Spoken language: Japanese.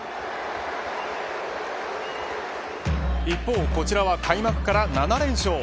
一方こちらは開幕から７連勝。